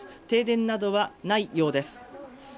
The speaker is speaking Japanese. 停電などはないようです。